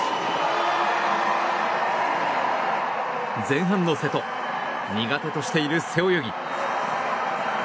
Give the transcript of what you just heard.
前半の瀬戸苦手としている背泳ぎ。